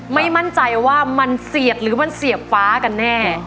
ไม่มั่นใจว่ามันเสียดหรือมันเสียบฟ้ากันแน่